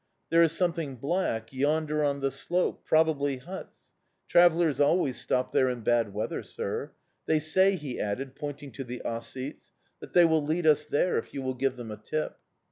There is something black yonder on the slope probably huts. Travellers always stop there in bad weather, sir. They say," he added, pointing to the Ossetes, "that they will lead us there if you will give them a tip."